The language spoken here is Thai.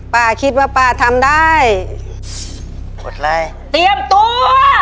ป้าคิดว่าป้าทำได้กดไลค์เตรียมตัว